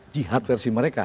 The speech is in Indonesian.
jihad versi mereka